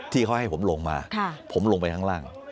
ที่เขาให้ผมลงมาผมลงไปข้างล่าง